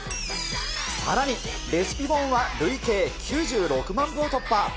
さらに、レシピ本は累計９６万部を突破。